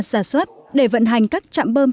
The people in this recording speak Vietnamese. xa xuất để vận hành các trạm lực lượng